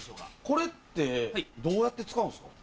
これってどうやって使うんですか？